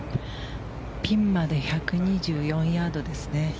ピンまで１２４ヤードですね。